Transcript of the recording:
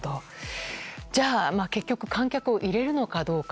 じゃあ、結局観客を入れるのかどうか。